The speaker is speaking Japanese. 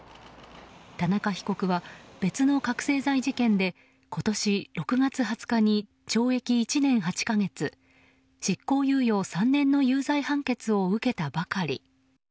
田中被告は、別の覚醒剤事件で今年６月２０日に懲役１年８か月、執行猶予３年の有罪判決を受けたばかり。